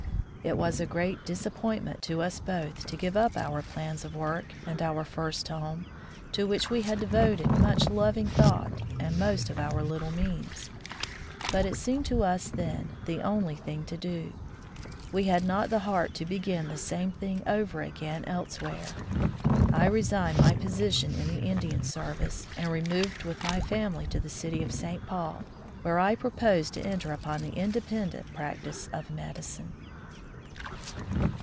It was a great disappointment to us both to give up our plans of work and our first home, to which we had devoted much loving thought and most of our little means; but it seemed to us then the only thing to do. We had not the heart to begin the same thing over again elsewhere. I resigned my posi tion in the Indian service, and removed with my family to the city of St. Paul, where I proposed to enter upon the independent practice of medicine.